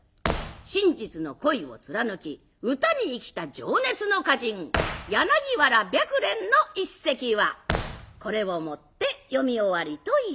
真実の恋を貫き歌に生きた「情熱の歌人柳原白蓮」の一席はこれをもって読み終わりといたします。